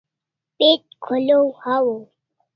Page kholaw hawaw